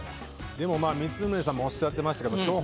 でも光宗さんもおっしゃってましたけど今日。